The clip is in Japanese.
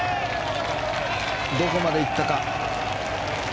どこまで行ったか。